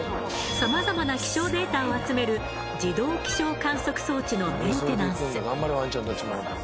さまざまな気象データを集める自動気象観測装置のメンテナンス。